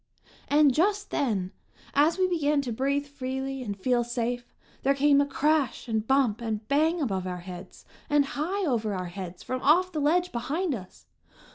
And just then, as we began to breathe freely and feel safe, there came a crash and bump and bang above our heads, and high over our heads from off the ledge behind us!